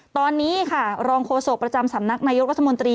ตอนนี้ค่ะรองโฆษกประจำสำนักนายกรัฐมนตรี